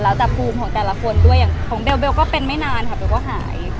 แล้วแต่ภูมิของแต่ละคนด้วยอย่างของเบลก็เป็นไม่นานค่ะเบลก็หาย